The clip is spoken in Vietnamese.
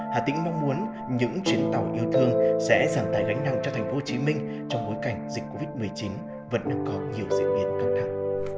hà tĩnh mong muốn những chuyến tàu yêu thương sẽ giảm tài gánh năng cho thành phố hồ chí minh trong bối cảnh dịch covid một mươi chín vẫn đang có nhiều diễn biến căng thẳng